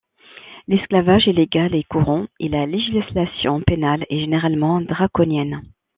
L’esclavage est légal et courant, et la législation pénale est généralement draconienne.